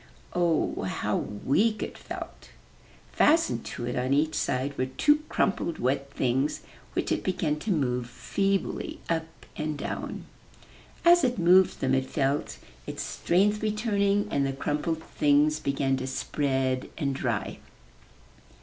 Oh, how weak it felt! Fastened to it on each side were two crumpled wet things, which it began to move feebly up and down. As it moved them it felt its strength returning and the crumpled things began to spread and dry.